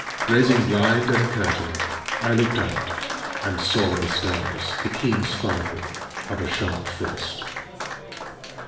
Raising blind and curtain, I looked out, and saw in the stars the keen sparkle of a sharp frost.